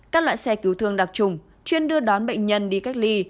các loại xe cứu thương đặc trùng chuyên đưa đón bệnh nhân đi cách ly